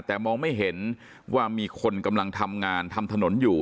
แต่มองไม่เห็นว่ามีคนกำลังทำงานทำถนนอยู่